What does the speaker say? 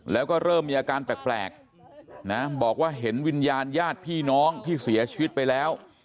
แล้วก็เริ่มมีอาการแปลกนะบอกว่าเห็นวิญญาณญาติพี่น้องที่เสียชีวิตไปแล้ว